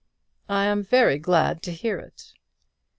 "I am very glad to hear it."